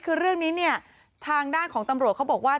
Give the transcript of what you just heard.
คือเรื่องนี้เนี่ยทางด้านของตำรวจเขาบอกว่า